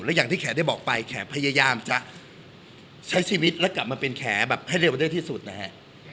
อย่างที่แขกได้บอกไปแขกพยายามจะใช้ชีวิตและกลับมาเป็นแขแบบให้เร็วได้ที่สุดนะฮะ